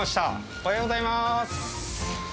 おはようございます。